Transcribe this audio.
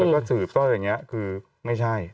แล้วก็สืบก็อย่างนี้คือไม่ใช่